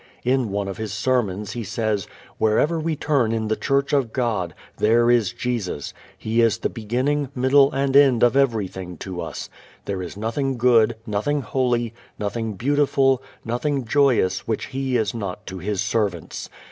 In one of his sermons he says, "Wherever we turn in the church of God, there is Jesus. He is the beginning, middle and end of everything to us.... There is nothing good, nothing holy, nothing beautiful, nothing joyous which He is not to His servants.